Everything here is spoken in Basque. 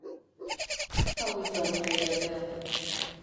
Hau ez da nire yatea.